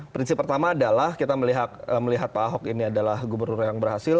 prinsip pertama adalah kita melihat pak ahok ini adalah gubernur yang berhasil